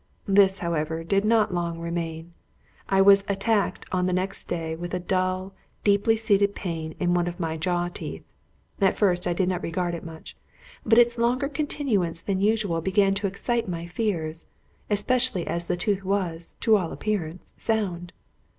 This, however, did not long remain; I was attacked on the next day with a dull, deeply seated pain in one of my jaw teeth. At first, I did not regard it much, but its longer continuance than usual began to excite my fears, especially as the tooth was, to all appearance, sound.